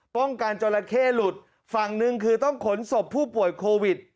ป้องกันจราเข้หลุดฝั่งหนึ่งคือต้องขนศพผู้ป่วยโควิด